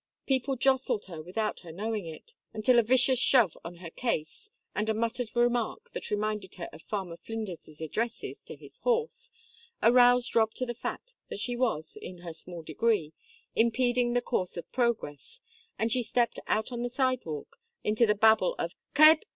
People jostled her without her knowing it, until a vicious shove of her case, and a muttered remark that reminded her of Farmer Flinders's addresses to his horse, aroused Rob to the fact that she was, in her small degree, impeding the course of progress, and she stepped out on the sidewalk and into the babel of "Cayb?